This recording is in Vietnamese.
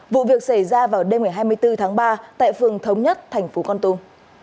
vụ việc xảy ra vào đêm ngày hai mươi bốn tháng ba tại phường thống nhất thành phố con tum